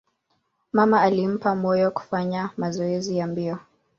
Mama alimpa moyo kufanya mazoezi ya mbio.